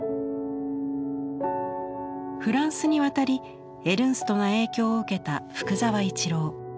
フランスに渡りエルンストの影響を受けた福沢一郎。